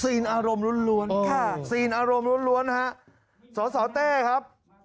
สีนอารมณ์ล้วนค่ะสีนอารมณ์ล้วนค่ะสาวแต้ครับ